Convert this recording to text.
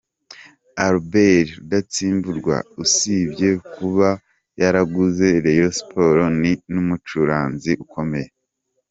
Albert Rudatsimburwa usibye kuba yaraguze Rayon Sports ni n'umucuranzi ukomeye.